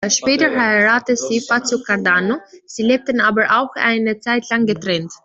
Später heiratete sie Fazio Cardano, sie lebten aber auch eine zeitlang getrennt.